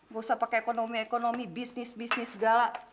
gak usah pakai ekonomi ekonomi bisnis bisnis segala